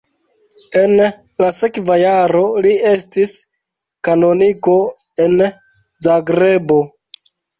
En la sekva jaro li estis kanoniko en Zagrebo.